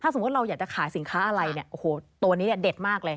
ถ้าสมมุติว่าเราอยากจะขายสินค้าอะไรโอ้โฮตัวนี้เด็ดมากเลย